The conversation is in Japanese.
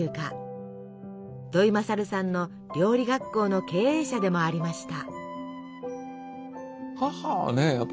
土井勝さんの料理学校の経営者でもありました。